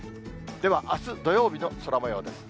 では、あす土曜日の空もようです。